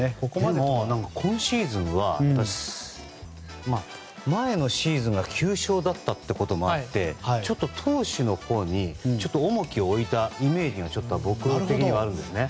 でも、今シーズンは前のシーズンが９勝だったってこともあってちょっと投手のほうに重きを置いたイメージが僕的にはあるんですね。